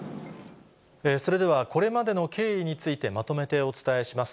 それではこれまでの経緯についてまとめてお伝えします。